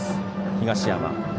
東山。